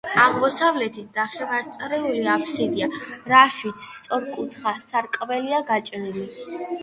აღმოსავლეთით ნახევარწრიული აფსიდია, რაშიც სწორკუთხა სარკმელია გაჭრილი.